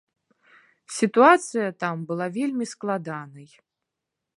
Сітуацыя там была вельмі складанай.